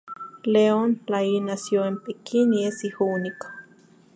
Leon Lai nació en Pekín y es hijo único.